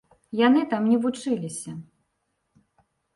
Яны там не вучыліся.